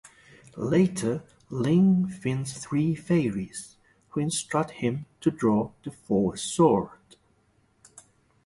Later, Link finds three fairies, who instruct him to draw the Four Sword.